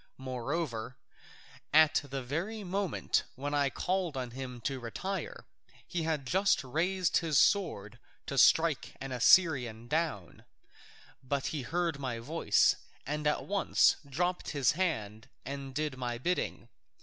Moreover, at the very moment when I called on him to retire, he had just raised his sword to strike an Assyrian down, but he heard my voice, and at once he dropped his hand and did my bidding.